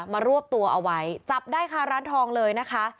รวบตัวเอาไว้จับได้ค่ะร้านทองเลยนะคะ